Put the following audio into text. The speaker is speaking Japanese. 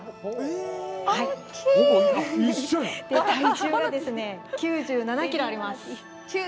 体重が９７ｋｇあります。